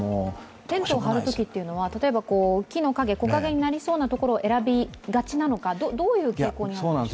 テントを張るときは、例えば木陰になりそうなところを選びがちなのか、どういう傾向にあるんでしょう？